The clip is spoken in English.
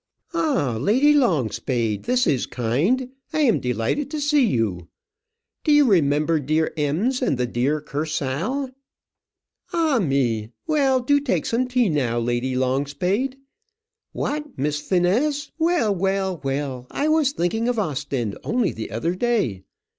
"Ah, Lady Longspade! this is kind. I am delighted to see you. Do you remember dear Ems, and the dear Kursaal? Ah, me! Well, do take some tea now, Lady Longspade. What, Miss Finesse well well well. I was thinking of Ostend only the other day.